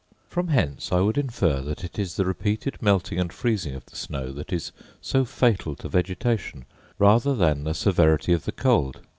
From hence I would infer that it is the repeated melting and freezing of the snow that is so fatal to vegetation, rather than the severity of the cold.